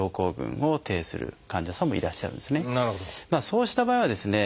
そうした場合はですね